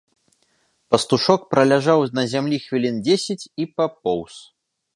Пастушок праляжаў на зямлі хвілін дзесяць і папоўз.